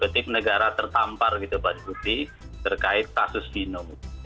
berketik negara tertampar gitu pak diputi terkait kasus vino